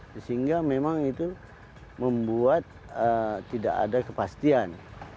sehingga memang itu membuat tidak ada kepastian